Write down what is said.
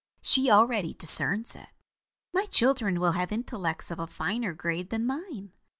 She already discerns it. My children will have intellects of a finer grade than mine.